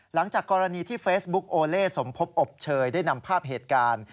หลังจากกรณีที่เฟซบุ๊กโอเล่สมพบอบเชยได้นำภาพเหตุการณ์